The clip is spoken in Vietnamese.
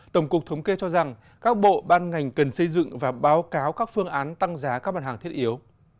tổng cục thống kê cho rằng các bộ ban ngành cần xây dựng và báo cáo các phương án tăng giá các bản hàng thiết yếu